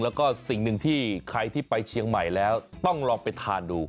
แล้วก็สิ่งหนึ่งที่ใครที่ไปเชียงใหม่แล้วต้องลองไปทานดู